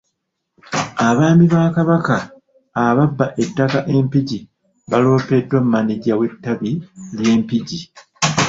Abaami ba Kabaka ababba ettaka e Mpigi baloopeddwa maneja w'ettabi ly'e Mpigi.